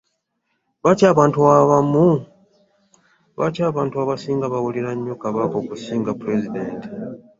Lwaki abantu abasinga bawulira nnyo kabaka okusinga pulezidenti?